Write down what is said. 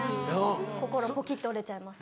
心ポキっと折れちゃいます。